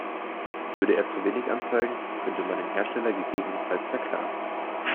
Würde er zu wenig anzeigen, könnte man den Hersteller gegebenenfalls verklagen.